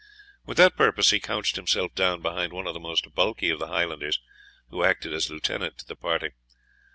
With that purpose he couched himself down behind one of the most bulky of the Highlanders, who acted as lieutenant to the party.